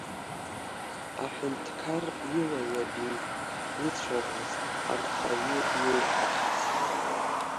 Аҳәынҭқар ила иабеит ицәаӷәоз анхаҩы иеиҳәахьаз.